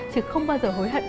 chứ không bao giờ hối hận